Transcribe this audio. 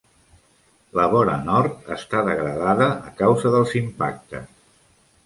La vora nord està degradada a causa dels impactes.